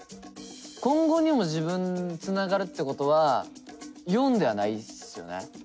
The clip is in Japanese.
今後にも自分つながるってことは④ではないっすよね。